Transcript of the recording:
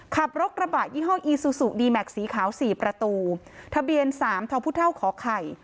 ขับรถกระบะยี่ห้ออีซูซูดีแม็กซีขาวสี่ประตูทะเบียนสามทอพุเท่าขอไข่